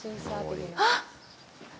あっ！